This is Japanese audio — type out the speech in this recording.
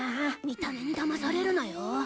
見た目にだまされるなよ。